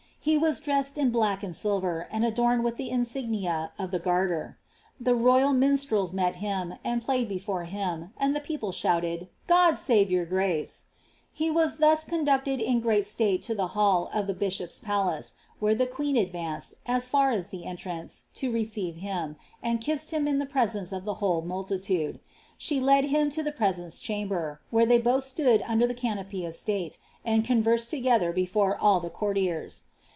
He was dressed in black and silver, and adorned wilh ih ■Ignia of the Garler. The royal minstrels met him, and played befc him; and the people shouted, "God save your grace!" Ili cooducted in great ctnte to the hall of the bishop's palnco, where iho queen advanced, as far as the entrance, to receive hint, and kissed him in the presence of the whole muliilude. She led him lo the protenco> chamber, where they both stood under the canopy of state, and con vererd together before all the courtiers.